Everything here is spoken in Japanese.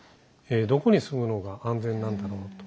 どこに住むのが安全なんだろうと。